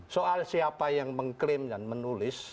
soal siapa yang mengklaim dan menulis